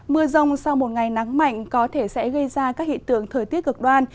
mưa rông sau một ngày nắng mạnh có thể sẽ gây ra các hiện tượng thời tiết cực đoan